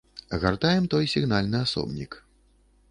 Гартаем той сігнальны асобнік.